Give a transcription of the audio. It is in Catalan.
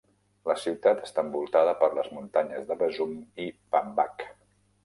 La ciutat està envoltada per les muntanyes de Bazum i Pambak.